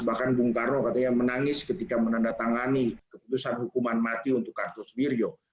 bahkan bung karno katanya menangis ketika menandatangani keputusan hukuman mati untuk kasus mirjo